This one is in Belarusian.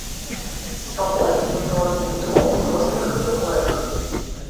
Спаборніцтвы пройдуць у трох узроставых катэгорыях.